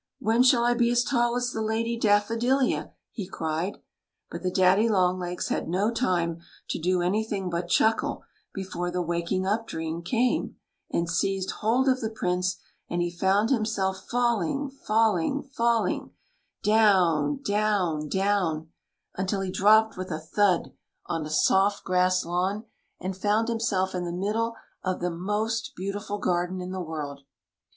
" When shall I be as tall as the Lady Daffodilia?" he cried. But the daddy long legs had no time to do anything but chuckle before the waking up dream came and seized hold of the Prince, and he found himself falling, falling, falling — down, down, down — until he 158 THE LADY DAFFODILIA dropped with a thud on a soft grass lawn, and found himself in the middle of the most beauti ful garden in the world.